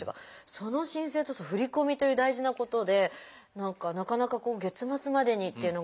その申請と振込という大事なことで何かなかなか月末までにっていうのが難しいんじゃないかな。